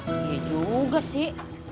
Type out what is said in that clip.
iya juga sih